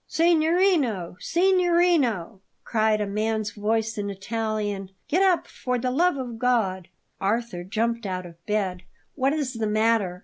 "Signorino! signorino!" cried a man's voice in Italian; "get up for the love of God!" Arthur jumped out of bed. "What is the matter?